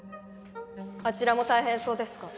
あちらも大変そうですが。